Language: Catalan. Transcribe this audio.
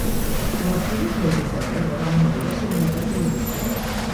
En els primers mesos de la guerra va manar diverses unitats de milícies.